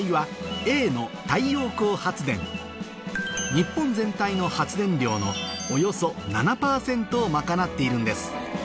日本全体の発電量のおよそ７％を賄っているんです